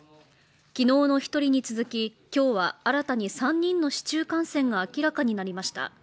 昨日の１人に続き、今日は新たに３人の市中感染が明らかになりました。